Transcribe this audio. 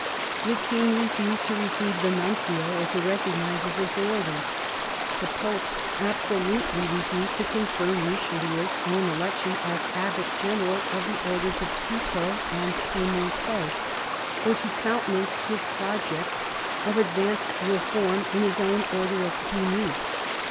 The King refused to receive the Nuncio, or to recognize his authority. The Pope absolutely refused to confirm RicheUeu's own election as Abbot General of the Orders of Citeaux and Pr6montre, or to countenance his project of advanced reform in his own Order of Cluny.